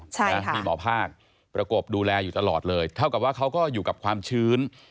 ใช่มีหมอภาคประกบดูแลอยู่ตลอดเลยเท่ากับว่าเขาก็อยู่กับความชื้น